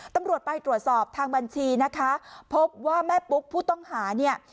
ตำรวจไปตรวจสอบทางบัญชีนะคะพบว่าแม่ปุ๊กผู้ต้องหาเนี่ย